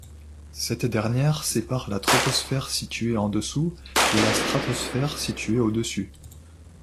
Cette dernière sépare la troposphère située en dessous et la stratosphère située au-dessus.